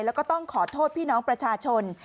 แล้วก็ต้องขอโทษพี่น้องประชาชน